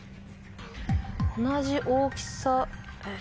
同じ大きさえっ。